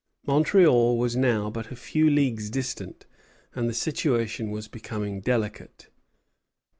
Montreal was now but a few leagues distant, and the situation was becoming delicate.